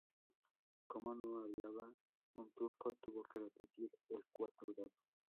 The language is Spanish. Como no hablaba en turco, tuvo que repetir el cuarto grado.